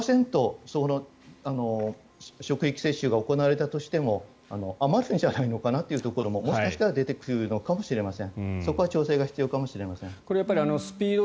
今回、すでに配送されているところで１００％職域接種が行われたとしても余るんじゃないのかなというところももしかしたら出てくるかもしれません。